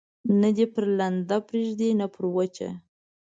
نه دي پر لنده پرېږدي، نه پر وچه.